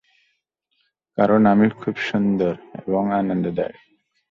কারণ আমি খুব সুন্দর এবং আনন্দদায়ক।